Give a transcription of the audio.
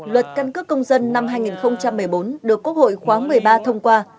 luật căn cước công dân năm hai nghìn một mươi bốn được quốc hội khóa một mươi ba thông qua